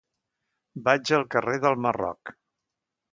Vaig al carrer del Marroc.